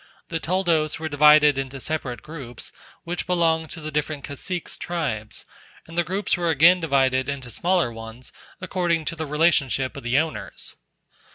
The toldos were divided into separate groups, which belong to the different caciques' tribes, and the groups were again divided into smaller ones, according to the relationship of the owners.